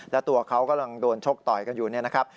และตัวเขากำลังโดนชกต่อยกันอยู่เนี่ยนะครับ